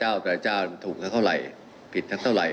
หมอดูแต่ละเจ้าแต่ละเจ้าถูกทั้งเท่าไหร่ผิดทั้งเท่าไหร่